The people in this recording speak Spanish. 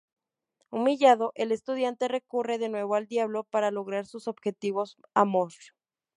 Humillado, el Estudiante recurre de nuevo al Diablo para lograr sus objetivos amor